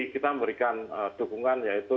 kita memberikan dukungan yaitu